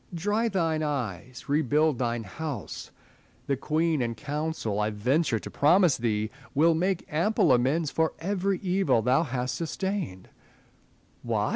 Dry thine eyes; rebuild thine house : the Queen and Council, I venture to promise thee, will make ample amends for every evil thou hast sustained. What